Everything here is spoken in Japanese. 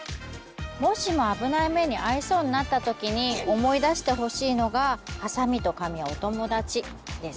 もしもあぶない目にあいそうになったときに思い出してほしいのが「ハサミとカミはお友だち」です。